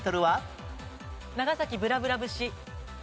『長崎ぶらぶら節』。